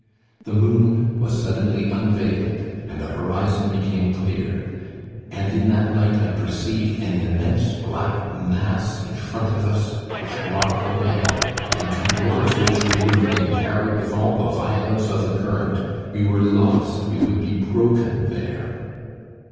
The moon was suddenly unveiled, and the horizon became clear. And in that light I perceived an immense black mass in front of us which blocked the way, and towards which we were being carried with all the violence of the current. We were lost, we would be broken there.